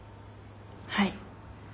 はい。